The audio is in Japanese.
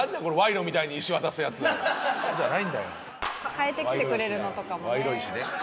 変えてきてくれるのとかもね。